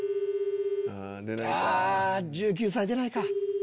あ１９歳出ないか。